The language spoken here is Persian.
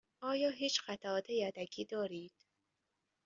آیا هیچ قطعات یدکی دارید؟